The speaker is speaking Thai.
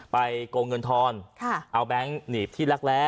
โกงเงินทอนเอาแบงค์หนีบที่รักแร้